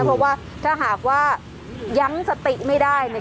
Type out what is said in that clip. เพราะว่าถ้าหากว่ายั้งสติไม่ได้เนี่ย